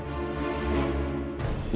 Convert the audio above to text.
kamu tetap ada di sini